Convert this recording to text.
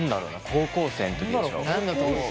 高校生の時でしょ。